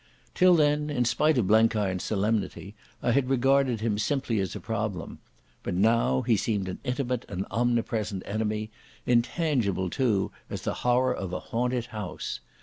Till then, in spite of Blenkiron's solemnity, I had regarded him simply as a problem. But now he seemed an intimate and omnipresent enemy, intangible, too, as the horror of a haunted house.